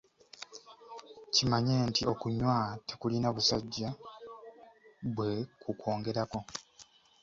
Kimanye nti okunywa tekulina "busajja" bwe kukwongerako.